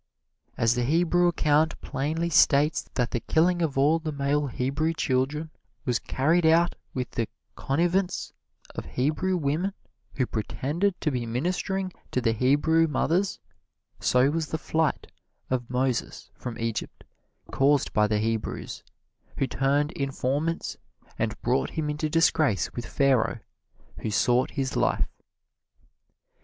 As the Hebrew account plainly states that the killing of all the male Hebrew children was carried out with the connivance of Hebrew women who pretended to be ministering to the Hebrew mothers, so was the flight of Moses from Egypt caused by the Hebrews, who turned informants and brought him into disgrace with Pharaoh, who sought his life.